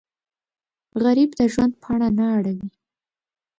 غریب د ژوند پاڼه نه اړوي